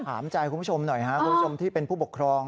ถามใจคุณผู้ชมหน่อยครับคุณผู้ชมที่เป็นผู้ปกครอง